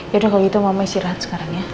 yaudah kalau gitu mama istirahat sekarang ya